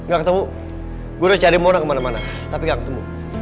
gak ketemu gue udah cari mona kemana mana tapi gak ketemu